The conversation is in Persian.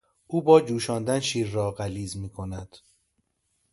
او با جوشاندن شیر را غلیظ میکند.